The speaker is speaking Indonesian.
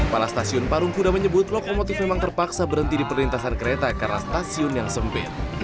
pala stasiun parung kuda menyebut lokomotif memang terpaksa berhenti di perlintasan kereta karena stasiun yang sempit